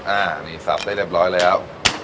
อันนี้สับได้เรียบร้อยแล้ว